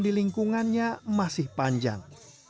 di lingkungannya masih panjang